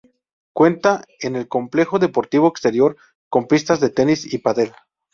Cuenta en el complejo deportivo exterior con pistas de tenis y pádel.